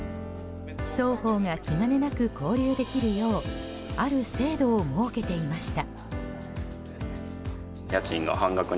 双方が気兼ねなく交流できるようある制度を設けていました。